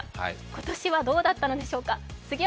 今年はどうだったのでしょうか？